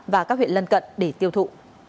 và các huyện lân cận để tiêu thụ